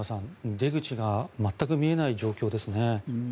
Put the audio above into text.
出口が全く見えない状況ですね。